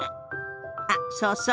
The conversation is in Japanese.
あっそうそう。